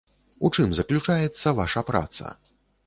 У чым заключаецца ваша праца?